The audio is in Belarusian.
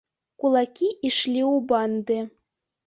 Кулакі ішлі ў банды.